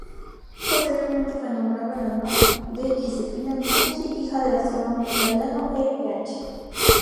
Posteriormente, fue nombrado en honor de Giuseppina Bianchi, hija del astrónomo italiano E. Bianchi.